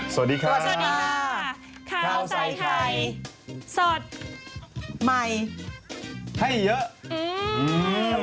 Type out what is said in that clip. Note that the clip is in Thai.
สวัสดีครับสวัสดีค่ะข้าวใส่ไข่สดใหม่ให้เยอะอืม